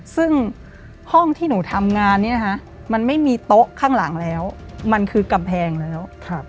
ซึ่งห้องที่หนูทำงานนี้นะคะมันไม่มีโต๊ะข้างหลังแล้วมันคือกำแพงแล้ว